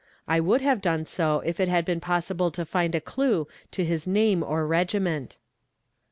I would have done so if it had been possible to find a clue to his name or regiment.